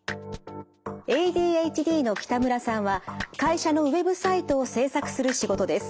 ＡＤＨＤの北村さんは会社のウェブサイトを制作する仕事です。